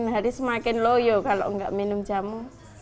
hari semakin loyo kalau nggak minum jamu